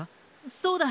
そうだ！